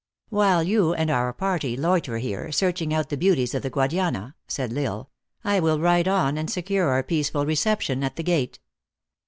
" While you and our party loiter here, searching out the beauties of the Guadiana," said L Isle, " I will ride on and secure our peaceful reception at the gate.